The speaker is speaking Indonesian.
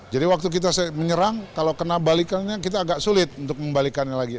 jadi waktu kita menyerang kalau kena balikannya kita agak sulit untuk membalikannya lagi